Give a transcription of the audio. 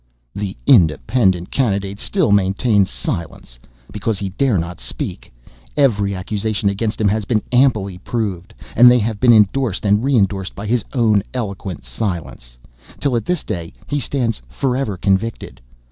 The independent candidate still maintains silence. Because he dare not speak. Every accusation against him has been amply proved, and they have been indorsed and reindorsed by his own eloquent silence, till at this day he stands forever convicted.